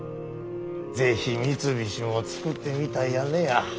是非三菱も作ってみたいやねや。